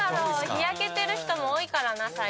日焼けてる人も多いからな最近。